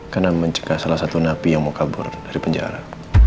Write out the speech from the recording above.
karena mencegah salah satu napi yang mau kabur dari penjara